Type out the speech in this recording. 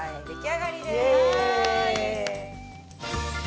出来上がりです。